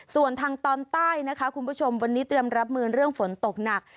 ส่วนทางตอนใต้นะคะคุณผู้ชมวันนี้เตรียมรับมือเรื่องฝนตกหนัก